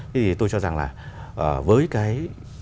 thì tôi cho rằng là với cái